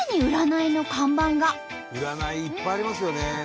占いいっぱいありますよね。